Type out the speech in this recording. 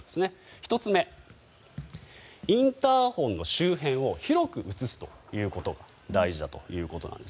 １つ目、インターホンの周辺を広く映すことが大事だということなんです。